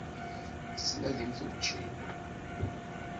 Tettnadimt učči?